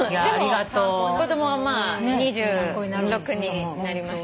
でも子供は２６になりまして。